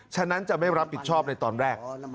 ฉะนั้นจะไม่รับผิดชอบในตอนแรก